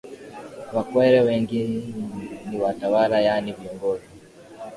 Wakwere wengi ni watawala yaani viongozi